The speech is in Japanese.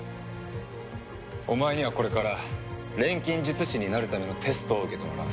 お前にはこれから錬金術師になるためのテストを受けてもらう。